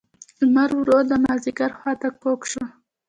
لمر ورو ورو د مازیګر خوا ته کږ شو.